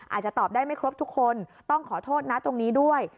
อาจจะตอบได้ไม่ครบทุกคนต้องขอโทษนะตรงนี้ด้วย